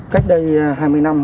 cách đây hai mươi năm